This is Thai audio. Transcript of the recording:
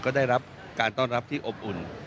ก็ได้รับการต้อนรับที่อบอุ่น